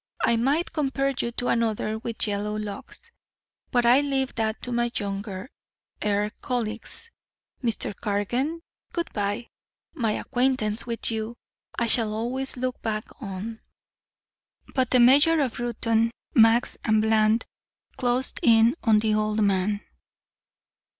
I might compare you to another with yellow locks but I leave that to my younger er colleagues. Mr. Cargan good by. My acquaintance with you I shall always look back on " But the mayor of Reuton, Max and Bland closed in on the old man.